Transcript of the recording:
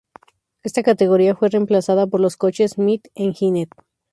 Esta categoría fue reemplazada por los coches "mid-engined".